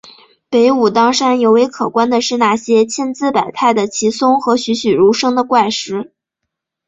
北武当山尤为可观的是那些千姿百态的奇松和栩栩如生的怪石。